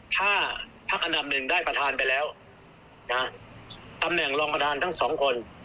ถ้าพักอันดับหนึ่งได้ประธานไปแล้วนะตำแหน่งรองประธานทั้งสองคน